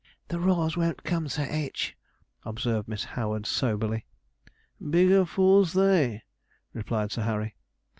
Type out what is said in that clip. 'The Raws won't come. Sir H.,' observed Miss Howard soberly. 'Bigger fools they,' replied Sir Harry.